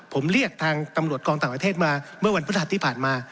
ผมเรียกทางตำรวจกองต่างประเทศมาเมื่อวันพฤหัสที่ผ่านมา